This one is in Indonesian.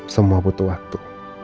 semua butuh waktu